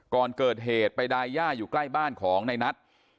ก่อนเกิดเหตุไปดายย่าอยู่ใกล้บ้านของในนัท